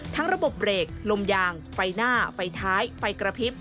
ระบบเบรกลมยางไฟหน้าไฟท้ายไฟกระพริบ